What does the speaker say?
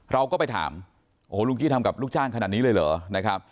เราก็ไปถามโอ้โหลุงกี้ทำกับลูกจ้างขนาดนี้เลยเหรอนะครับ